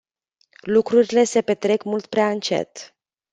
Lucrurile se petrec mult prea încet.